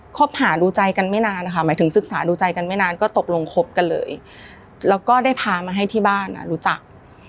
คบหาดูใจกันไม่นานนะคะหมายถึงศึกษาดูใจกันไม่นานก็ตกลงคบกันเลยแล้วก็ได้พามาให้ที่บ้านรู้จัก